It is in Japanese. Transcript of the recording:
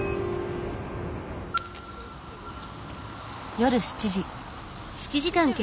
夜７時。